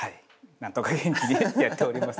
何とか元気にやっております。